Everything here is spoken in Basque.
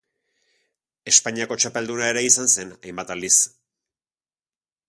Espainiako txapelduna ere izan zen hainbat aldiz.